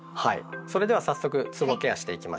それでは早速つぼケアしていきましょう。